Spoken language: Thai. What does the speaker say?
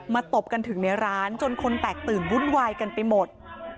ตบกันถึงในร้านจนคนแตกตื่นวุ่นวายกันไปหมด